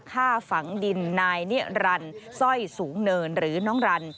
ฆ่าฝังดินนายเนี่ยรันซ่อยสูงเนินหรือน้องรัน